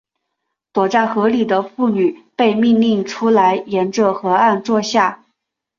躲在河里的妇女被命令出来沿着河岸坐下。